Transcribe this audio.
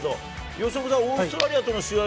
由伸さん、オーストラリアとの試合